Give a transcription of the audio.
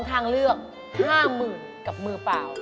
๒ทางเลือกห้ามือกับมือเปล่า